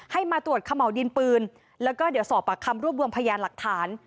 มาตรวจเขม่าวดินปืนแล้วก็เดี๋ยวสอบปากคำรวบรวมพยานหลักฐาน